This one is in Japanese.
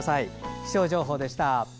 気象情報でした。